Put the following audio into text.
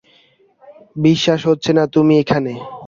বিশ্বাস হচ্ছে না তুমি এখানে।